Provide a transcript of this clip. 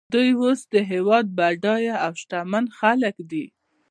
دوی اوس د هېواد بډایه او شتمن خلک دي